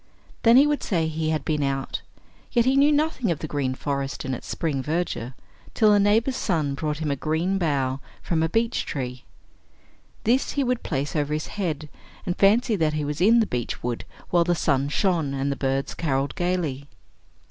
Then he would say he had been out, yet he knew nothing of the green forest in its spring verdure, till a neighbor's son brought him a green bough from a beech tree. This he would place over his head, and fancy that he was in the beech wood while the sun shone, and the birds carolled gayly.